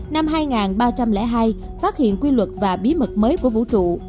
năm hai nghìn ba trăm linh hai phát hiện quy luật và bí mật mới của vũ trụ